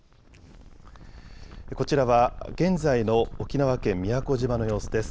こちらは現在の沖縄県宮古島の様子です。